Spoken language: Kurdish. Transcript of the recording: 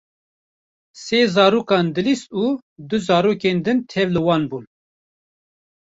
Sê zarokan dilîst û du zarokên din tevlî wan bûn.